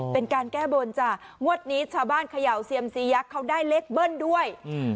เป็นการแก้บนจ้ะงวดนี้ชาวบ้านเขย่าเซียมซียักษ์เขาได้เลขเบิ้ลด้วยอืม